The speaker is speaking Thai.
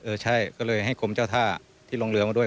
ใช่ก็เลยให้กรมเจ้าท่าที่ลงเรือมาด้วย